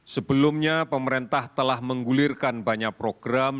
sebelumnya pemerintah telah menggulirkan banyak program